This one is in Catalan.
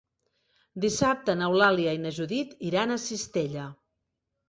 Dissabte n'Eulàlia i na Judit iran a Cistella.